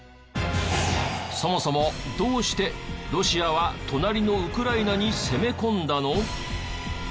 そもそもどうしてロシアは隣のウクライナに攻め込んだの？